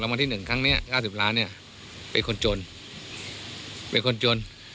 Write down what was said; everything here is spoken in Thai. แล้วมาที่หนึ่งครั้งเนี้ยก้าสิบล้านเนี้ยเป็นคนจนเป็นคนจน